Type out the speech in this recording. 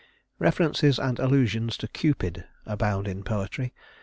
XXI References and allusions to Cupid abound in poetry.